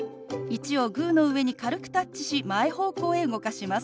「１」をグーの上に軽くタッチし前方向へ動かします。